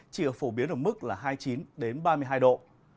chỉ ở phổ biến ở mức là hai mươi chín ba mươi hai độ